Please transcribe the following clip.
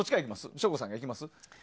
省吾さんから行きます？